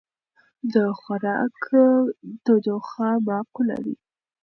د خوراک تودوخه معقوله وي.